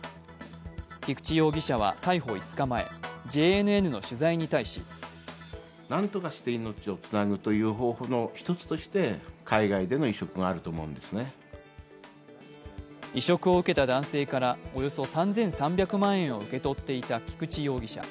菊池容疑者は逮捕５日前、ＪＮＮの取材に対し移植を受けた男性からおよそ３３００万円を受け取っていた菊池容疑者。